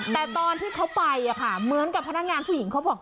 แต่ตอนที่เขาไปเหมือนกับพนักงานผู้หญิงเขาบอก